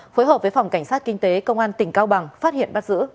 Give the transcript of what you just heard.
phối hợp với phòng cảnh sát kinh tế công an tỉnh cao bằng phát hiện bắt giữ